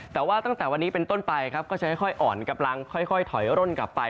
แต่ว่าตั้งแต่วันนี้เป็นต้นไปครับก็จะค่อยอ่อนกำลังค่อยถอยร่นกลับไป